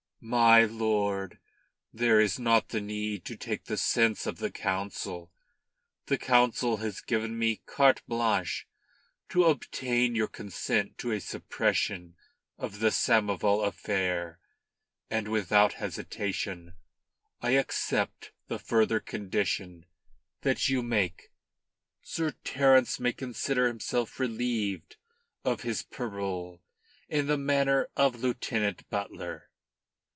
"My lord, there is not the need to take the sense of the Council. The Council has given me carte blanche to obtain your consent to a suppression of the Samoval affair. And without hesitation I accept the further condition that you make. Sir Terence may consider himself relieved of his parole in the matter of Lieutenant Butler."